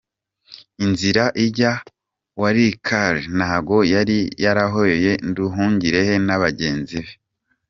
Inzira ijya Walikale ntago yari yoroheye Nduhungirehe na bagenzi be.